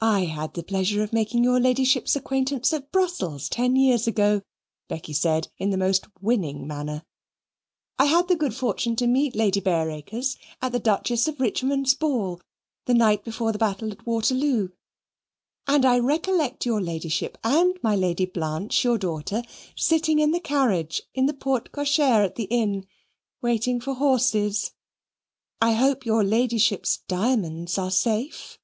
"I had the pleasure of making your Ladyship's acquaintance at Brussels, ten years ago," Becky said in the most winning manner. "I had the good fortune to meet Lady Bareacres at the Duchess of Richmond's ball, the night before the Battle of Waterloo. And I recollect your Ladyship, and my Lady Blanche, your daughter, sitting in the carriage in the porte cochere at the Inn, waiting for horses. I hope your Ladyship's diamonds are safe."